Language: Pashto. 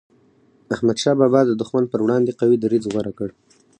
احمد شاه بابا د دښمن پر وړاندي قوي دریځ غوره کړ.